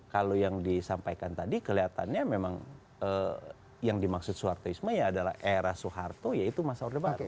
kalau yang disampaikan tadi kelihatannya memang yang dimaksud soehartoisme ya adalah era soeharto yaitu masa orde baru